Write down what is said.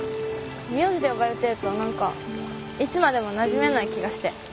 名字で呼ばれてると何かいつまでもなじめない気がして。